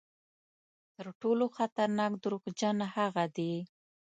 تر ټولو خطرناک دروغجن هغه دي.